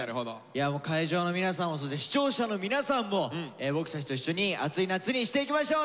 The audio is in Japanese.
会場の皆さんもそして視聴者の皆さんも僕たちと一緒にアツい夏にしていきましょう！